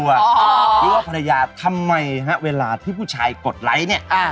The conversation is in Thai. หรือว่าภรรยาทำไมฮะเวลาที่ผู้ชายกดไลค์เนี่ย